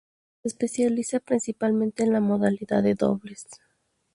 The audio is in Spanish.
Se especializa principalmente en la modalidad de dobles.